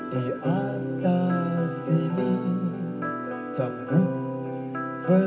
di atas sini cengkuk berair